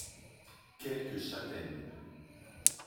Quelques châtaignes.